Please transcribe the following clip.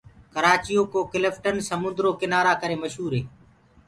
ڪرآچي يو ڪو ڪِلٽن سموندرو ڪنآرآ ڪرآ ڪري مشوُر هي۔